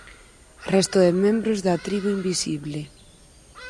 Resto de membros da tribo invisible